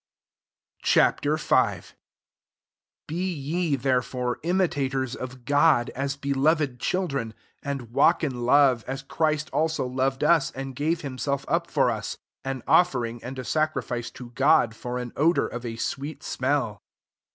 Ch. V. 1 Be ye therefore imitators of God, as beloved children; 2 and walk in love, as Christ also loved us, and gave himself up for us, an of^ fering and a sacrifice to^ God for an odour of a sweet smell.